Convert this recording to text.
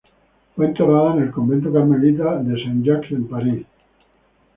Fue enterrada en el convento carmelita de Saint-Jacques en París.